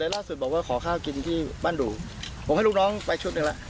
ล่าสุดบอกว่าขอข้าวกินที่บ้านดูผมให้ลูกน้องไปชุดหนึ่งแล้ว